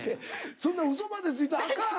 そんなうそまでついたらあかん！